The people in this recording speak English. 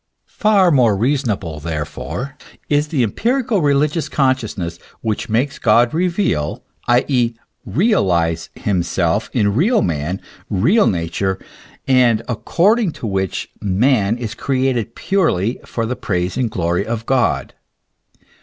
Far more reasonable, therefore, is the empirical religious consciousness, which makes God reveal, i. e., realize himself in real man, real nature, and according to which man 228 THE ESSENCE OF CHRISTIANITY. is created purely for the praise and glory of God.